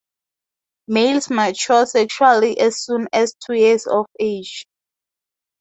Males mature sexually as soon as two years of age.